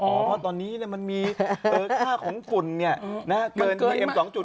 อ๋อเพราะว่าตอนนี้มันมีเตอร์ค่าของฝุ่น